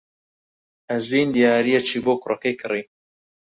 ئەژین دیارییەکی بۆ کوڕەکەی کڕی.